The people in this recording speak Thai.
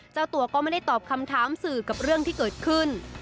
เจ้าตัวก็ไม่ได้ตอบคำถามสื่อกับเรื่องที่เกิดขึ้น